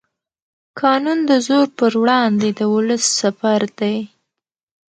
قانون د زور پر وړاندې د ولس سپر دی